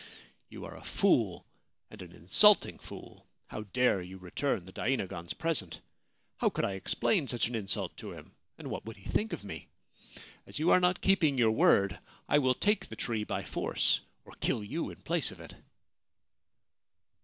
You are a fool, and an insulting fool — how dare you return the dainagon's present ? How could I explain such an insult to him, and what would he think of me ? As you are not keeping your word, I will take the tree by force, or kill you in place of it.'